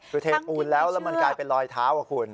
คือเทปูนแล้วแล้วมันกลายเป็นรอยเท้าอ่ะคุณ